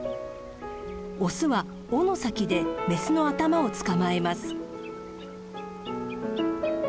オスは尾の先でメスの頭を捕まえます。